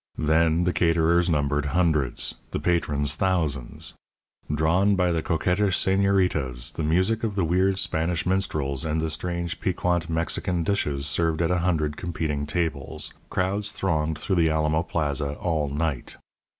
Then the caterers numbered hundreds; the patrons thousands. Drawn by the coquettish señoritas, the music of the weird Spanish minstrels, and the strange piquant Mexican dishes served at a hundred competing tables, crowds thronged the Alamo Plaza all night.